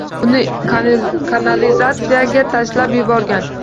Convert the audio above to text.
Uni kanalizatsiyaga tashlab yuborgan